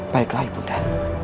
baiklah ibu bunda